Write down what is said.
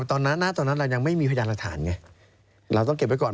ตอนนั้นณตอนนั้นเรายังไม่มีพยานหลักฐานไงเราต้องเก็บไว้ก่อน